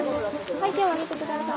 はい手を上げて下さい。